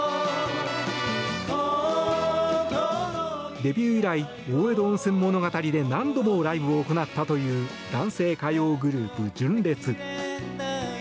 デビュー以来、大江戸温泉物語で何度もライブを行ったという男性歌謡グループ、純烈。